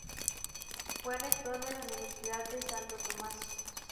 Fue rector de la Universidad de Santo Tomás.